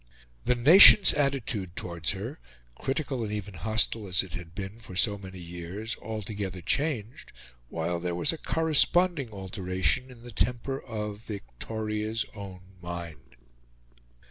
The nation's attitude towards her, critical and even hostile as it had been for so many years, altogether changed; while there was a corresponding alteration in the temper of Victoria's own mind.